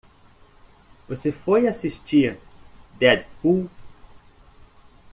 Você foi assisti Deadpool?